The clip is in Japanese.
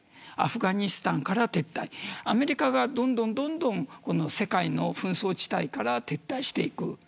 アフガニスタンから撤退アメリカがどんどん世界の紛争地帯から撤退していく。